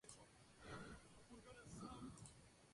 De esta forma se producen proteínas específicas contra un antígeno.